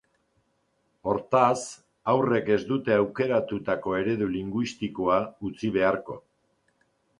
Hortaz, haurrek ez dute aukeratutako eredu linguistikoa utzi beharko.